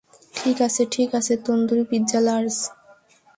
ঠিক আছে, ঠিক আছে, তন্দুরি পিজ্জা লার্জ।